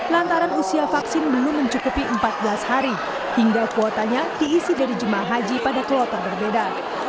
lantaran usia vaksin belum mencukupi empat belas hari hingga kuotanya diisi dari jemaah haji pada kloter berbeda